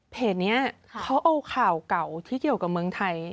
เพจนี้เขาเอาข่าวเก่าที่เกี่ยวกับเมืองไทย